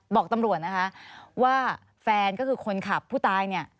บอกตำรวจนะคะว่าแฟนก็คือคนขับผู้ตายเนี่ย